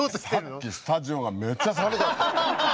さっきスタジオがめっちゃ寒かった。